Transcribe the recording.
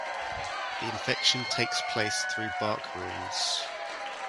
The infection takes place through bark wounds.